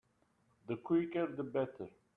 The quicker the better.